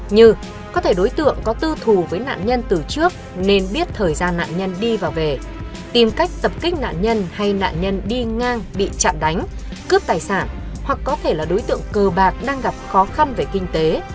như có thể đối tượng có tư thù với nạn nhân từ trước nên biết thời gian nạn nhân đi và về tìm cách tập kích nạn nhân hay nạn nhân đi ngang bị chạm đánh cướp tài sản hoặc có thể là đối tượng cờ bạc đang gặp khó khăn về kinh tế